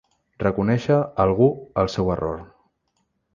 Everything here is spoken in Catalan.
Reconèixer, algú, el seu error.